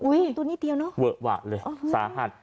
อุ้ยตัวนี้เดียวเนอะเวอะวะเลยสาหัส